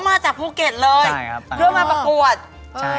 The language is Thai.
มาจากภูเก็ตเลยใช่ครับเพื่อมาประกวดใช่